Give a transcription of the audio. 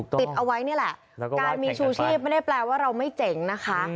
ติดเอาไว้นี่แหละการมีชูชีพไม่ได้แปลว่าเราไม่เจ๋งนะคะ